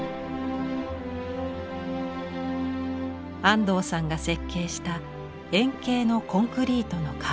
安藤さんが設計した円形のコンクリートの壁。